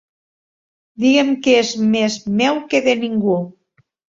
Diguem que és més meu que de ningú.